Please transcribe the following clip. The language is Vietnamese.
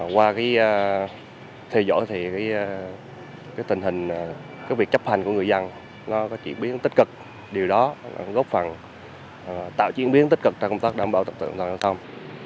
qua cái thầy dõi thì cái tình hình cái việc chấp hành của người dân nó có chuyển biến tích cực điều đó góp phần tạo chuyển biến tích cực cho công tác đảm bảo tập tượng giao thông